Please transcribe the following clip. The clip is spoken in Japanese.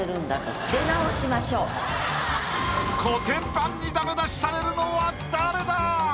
コテンパンにダメ出しされるのは誰だ⁉